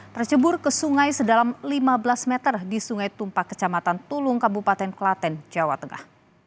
tercebur ke sungai sedalam lima belas meter di sungai tumpak kecamatan tulung kabupaten klaten jawa tengah